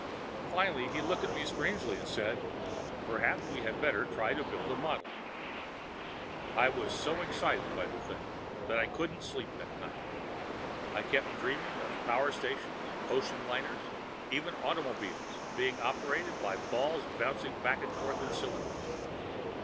Finally he looked at me strangely and said, "Perhaps we had better try to build a model." I was so excited by the thing that I couldn't sleep that night. I kept dreaming of power stations, ocean liners, even automobiles, being operated by balls bouncing back and forth in cylinders.